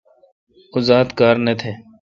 اوزات کار نہ تھ۔